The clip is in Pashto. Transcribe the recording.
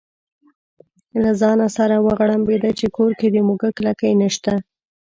له ځانه سره وغړمبېده چې کور کې د موږک لکۍ نشته.